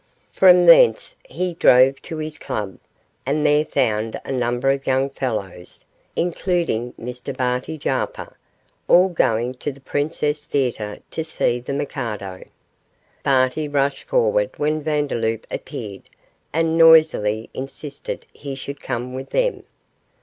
From thence he drove to his club, and there found a number of young fellows, including Mr Barty Jarper, all going to the Princess Theatre to see 'The Mikado'. Barty rushed forward when Vandeloup appeared and noisily insisted he should come with them.